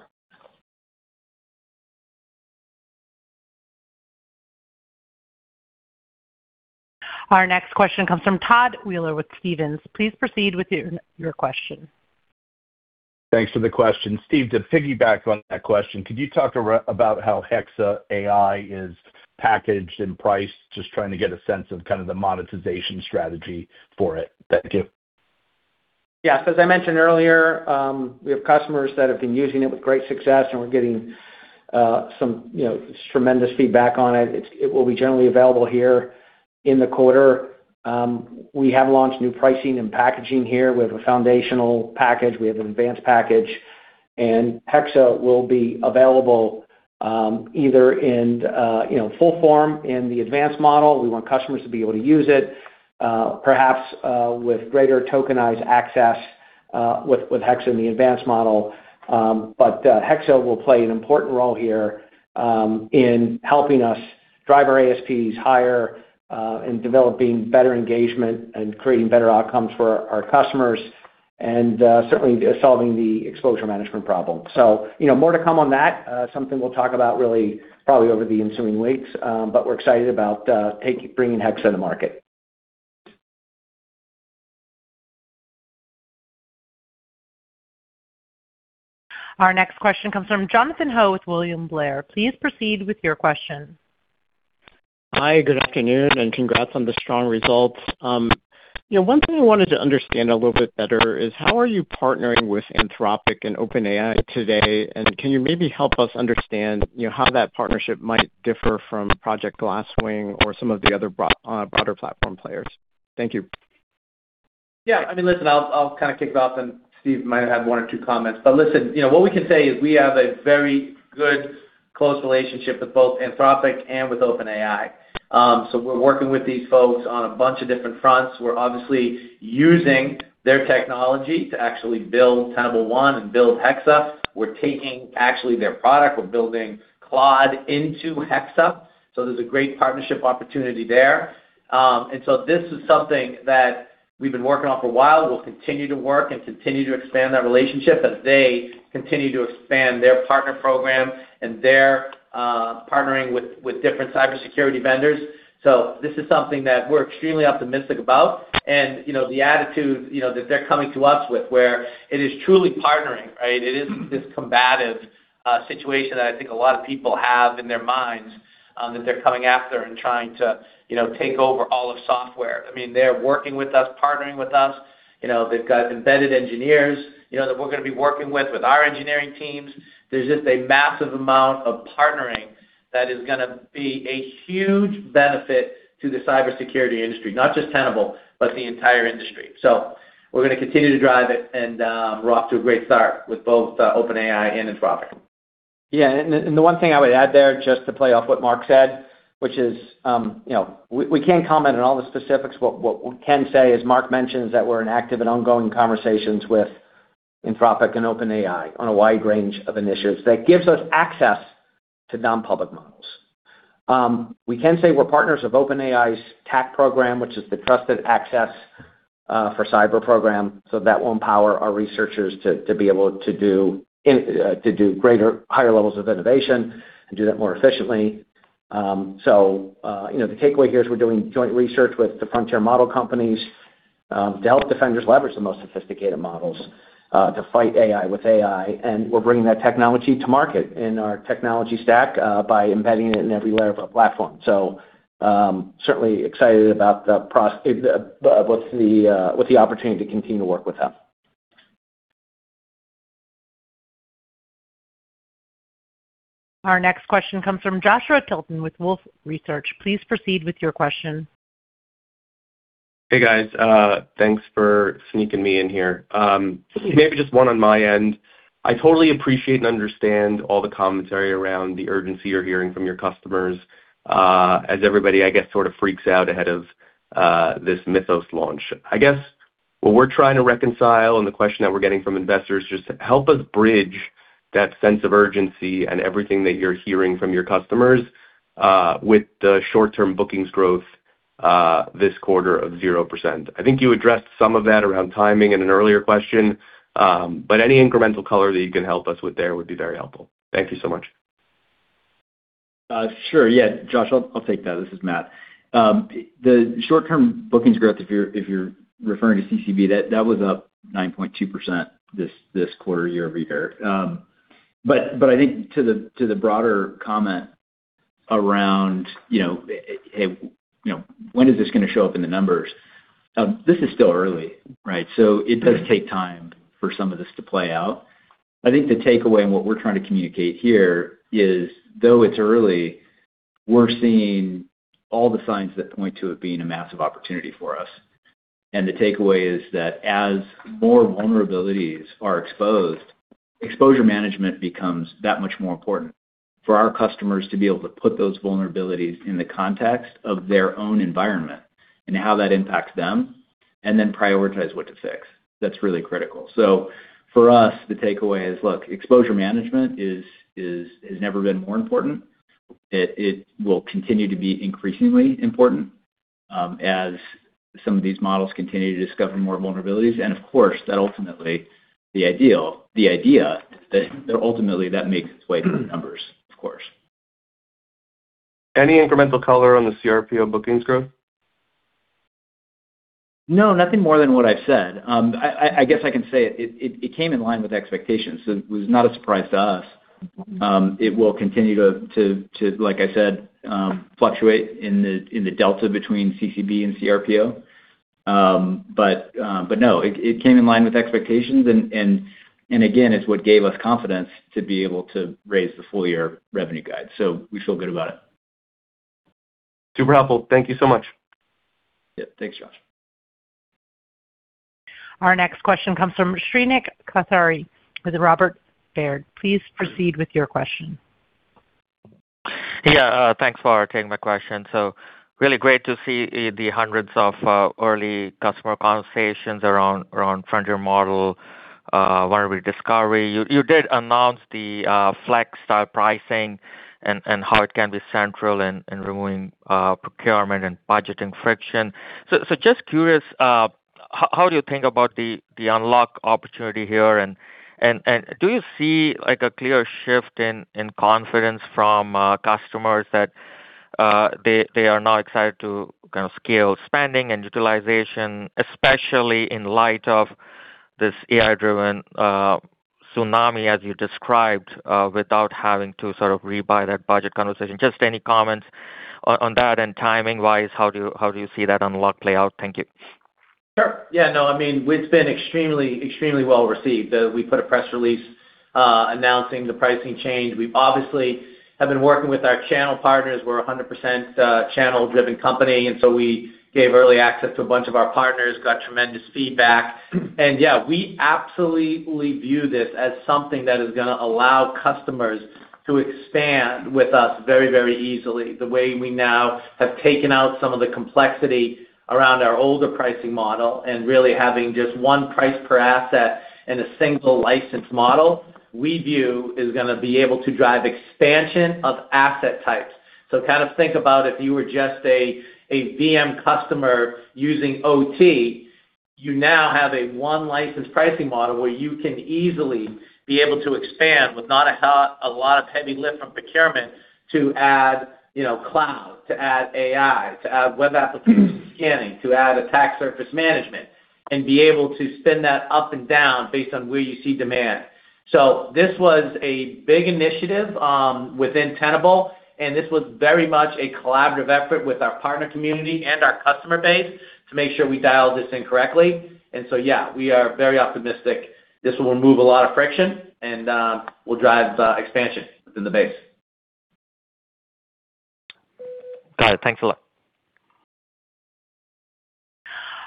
Our next question comes from Todd Weller with Stephens. Please proceed with your question. Thanks for the question. Steve, to piggyback on that question, could you talk about how Hexa AI is packaged and priced? Just trying to get a sense of kind of the monetization strategy for it. Thank you. Yes. As I mentioned earlier, we have customers that have been using it with great success and we're getting, you know, tremendous feedback on it. It will be generally available here in the quarter. We have launched new pricing and packaging here. We have a foundational package, we have an advanced package. Hexa will be available, you know, full form in the advanced model. We want customers to be able to use it, perhaps, with greater tokenized access, with Hexa in the advanced model. Hexa will play an important role here in helping us drive our ASPs higher in developing better engagement and creating better outcomes for our customers and certainly solving the exposure management problem. You know, more to come on that. Something we'll talk about really probably over the ensuing weeks, but we're excited about bringing Hexa to market. Our next question comes from Jonathan Ho with William Blair. Please proceed with your question. Hi, good afternoon, and congrats on the strong results. You know, one thing I wanted to understand a little bit better is how are you partnering with Anthropic and OpenAI today? Can you maybe help us understand, you know, how that partnership might differ from Project Gaslight or some of the other broader platform players? Thank you. Yeah, I mean, listen, I'll kind of kick it off, and Steve might have one or two comments. Listen, you know, what we can say is we have a very good close relationship with both Anthropic and with OpenAI. We're working with these folks on a bunch of different fronts. We're obviously using their technology to actually build Tenable One and build Hexa. We're taking actually their product. We're building Claude into Hexa, there's a great partnership opportunity there. This is something that we've been working on for a while. We'll continue to work and continue to expand that relationship as they continue to expand their partner program and their partnering with different cybersecurity vendors. This is something that we're extremely optimistic about. You know, the attitude, you know, that they're coming to us with, where it is truly partnering, right? It isn't this combative situation that I think a lot of people have in their minds that they're coming after and trying to, you know, take over all of software. I mean, they're working with us, partnering with us. You know, they've got embedded engineers, you know, that we're gonna be working with our engineering teams. There's just a massive amount of partnering that is gonna be a huge benefit to the cybersecurity industry, not just Tenable, but the entire industry. We're gonna continue to drive it and we're off to a great start with both OpenAI and Anthropic. The one thing I would add there, just to play off what Mark said, which is, you know, we can't comment on all the specifics. What we can say, as Mark mentioned, is that we're in active and ongoing conversations with Anthropic and OpenAI on a wide range of initiatives that gives us access to non-public models. We can say we're partners of OpenAI's TAC program, which is the Trusted Access for Cyber program, so that will empower our researchers to be able to do greater, higher levels of innovation and do that more efficiently. You know, the takeaway here is we're doing joint research with the frontier model companies, to help defenders leverage the most sophisticated models, to fight AI with AI, and we're bringing that technology to market in our technology stack, by embedding it in every layer of our platform. Certainly excited about the opportunity to continue to work with them. Our next question comes from Joshua Tilton with Wolfe Research. Please proceed with your question. Hey, guys. Thanks for sneaking me in here. Maybe just one on my end. I totally appreciate and understand all the commentary around the urgency you're hearing from your customers, as everybody, I guess, sort of freaks out ahead of this Mythic launch. I guess what we're trying to reconcile and the question that we're getting from investors, just help us bridge that sense of urgency and everything that you're hearing from your customers, with the short-term bookings growth, this quarter of 0%. I think you addressed some of that around timing in an earlier question, any incremental color that you can help us with there would be very helpful. Thank you so much. Sure, yeah. Josh, I'll take that. This is Matt. The short-term bookings growth, if you're referring to CCB, that was up 9.2% this quarter year-over-year. I think to the broader comment around, you know, when is this gonna show up in the numbers? This is still early, right? It does take time for some of this to play out. I think the takeaway and what we're trying to communicate here is, though it's early, we're seeing all the signs that point to it being a massive opportunity for us. The takeaway is that as more vulnerabilities are exposed, exposure management becomes that much more important for our customers to be able to put those vulnerabilities in the context of their own environment and how that impacts them, and then prioritize what to fix. That's really critical. For us, the takeaway is, look, exposure management is, has never been more important. It will continue to be increasingly important, as some of these models continue to discover more vulnerabilities. Of course, that ultimately the idea that ultimately that makes its way to the numbers, of course. Any incremental color on the CRPO bookings growth? No, nothing more than what I've said. I guess I can say it came in line with expectations, so it was not a surprise to us. It will continue to, like I said, fluctuate in the delta between CCB and CRPO. No, it came in line with expectations and again, it's what gave us confidence to be able to raise the full year revenue guide. We feel good about it. Super helpful. Thank you so much. Yeah. Thanks, Josh. Our next question comes from Shrenik Kothari with Robert W. Baird. Please proceed with your question. Thanks for taking my question. Really great to see the hundreds of early customer conversations around frontier model vulnerability discovery. You did announce the flex style pricing and how it can be central in removing procurement and budgeting friction. Just curious, how do you think about the unlock opportunity here? Do you see like a clear shift in confidence from customers that they are now excited to kind of scale spending and utilization, especially in light of this AI-driven tsunami as you described, without having to sort of rebuy that budget conversation? Just any comments on that and timing-wise, how do you see that unlock play out? Thank you. Sure. Yeah, no, I mean, it's been extremely well-received. We put a press release announcing the pricing change. We obviously have been working with our channel partners. We're a 100% channel-driven company, and so we gave early access to a bunch of our partners, got tremendous feedback. Yeah, we absolutely view this as something that is gonna allow customers to expand with us very, very easily. The way we now have taken out some of the complexity around our older pricing model and really having just one price per asset and a single license model, we view is gonna be able to drive expansion of asset types. Kind of think about if you were just a VM customer using OT, you now have a one license pricing model where you can easily be able to expand with not a lot of heavy lift from procurement to add cloud, to add AI, to add web application scanning, to add attack surface management, and be able to spin that up and down based on where you see demand. This was a big initiative within Tenable, and this was very much a collaborative effort with our partner community and our customer base to make sure we dialed this in correctly. Yeah, we are very optimistic this will remove a lot of friction and will drive expansion within the base. Got it. Thanks a lot.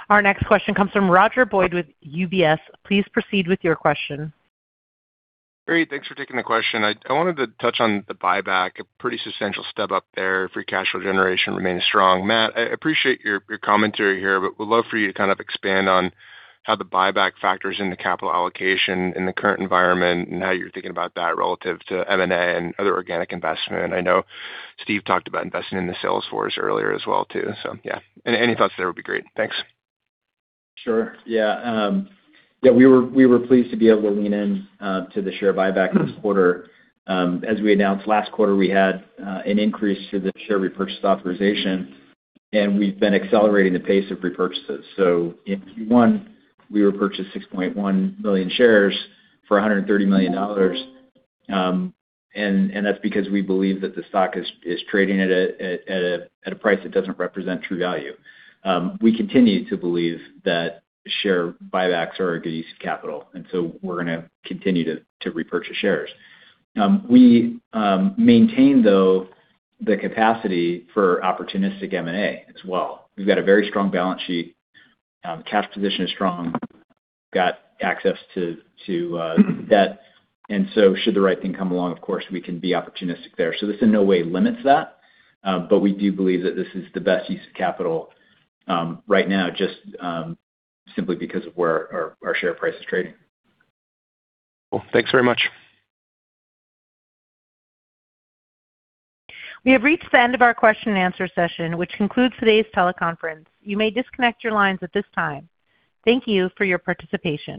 Our next question comes from Roger Boyd with UBS. Please proceed with your question. Great. Thanks for taking the question. I wanted to touch on the buyback, a pretty substantial step up there. Free cash flow generation remains strong. Matt, I appreciate your commentary here, but would love for you to kind of expand on how the buyback factors into capital allocation in the current environment and how you're thinking about that relative to M&A and other organic investment. I know Steve talked about investing in the sales force earlier as well too. Yeah. Any thoughts there would be great. Thanks. Sure. Yeah. We were pleased to be able to lean in to the share buyback this quarter. As we announced last quarter, we had an increase to the share repurchase authorization, and we've been accelerating the pace of repurchases. In Q1, we repurchased 6.1 million shares for $130 million. That's because we believe that the stock is trading at a price that doesn't represent true value. We continue to believe that share buybacks are a good use of capital, we're gonna continue to repurchase shares. We maintain though the capacity for opportunistic M&A as well. We've got a very strong balance sheet. Cash position is strong. We've got access to debt. Should the right thing come along, of course, we can be opportunistic there. This in no way limits that, but we do believe that this is the best use of capital right now just simply because of where our share price is trading. Cool. Thanks very much. We have reached the end of our question and answer session, which concludes today's teleconference. You may disconnect your lines at this time. Thank you for your participation.